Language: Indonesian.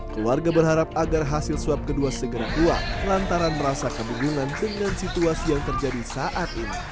keluarga berharap agar hasil swab kedua segera keluar lantaran merasa kebingungan dengan situasi yang terjadi saat ini